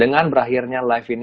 dengan berakhirnya live video